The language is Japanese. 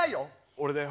俺だよ。